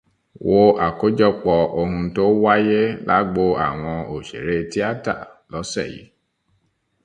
Wo àkójọpọ̀ ohun tó wáyé lágbo àwọn òṣèré tíátà lọ́sẹ̀ yìí.